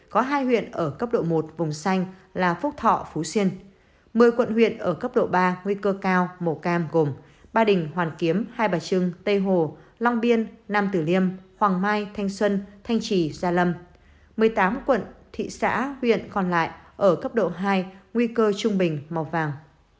có hai huyện ở cấp độ một vùng xanh là phúc thọ phú xuyên một mươi quận huyện ở cấp độ ba nguy cơ cao màu cam gồm ba đình hoàn kiếm hai bà trưng tây hồ long biên nam tử liêm hoàng mai thanh xuân thanh trì gia lâm một mươi tám quận thị xã huyện còn lại ở cấp độ hai nguy cơ trung bình màu vàng